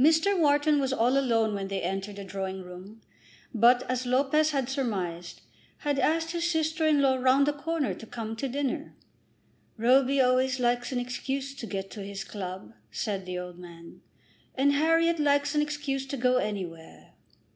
Mr. Wharton was all alone when they entered the drawing room, but, as Lopez had surmised, had asked his sister in law round the corner to come to dinner. "Roby always likes an excuse to get to his club," said the old man, "and Harriet likes an excuse to go anywhere."